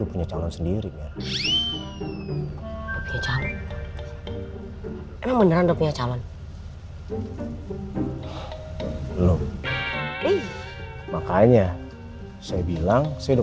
punya calon sendiri ya emang beneran udah punya calon makanya saya bilang saya udah